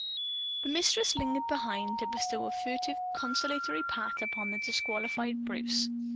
The Mistress lingered behind, to bestow a furtive consolatory pat upon the disqualified Bruce.